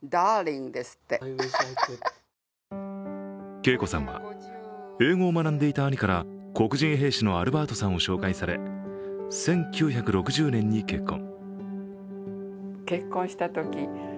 恵子さんは、英語を学んでいた兄から黒人兵士のアルバートさんを紹介され１９６０年に結婚。